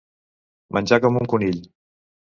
Menjar com un conill.